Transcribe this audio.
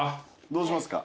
どうしますか？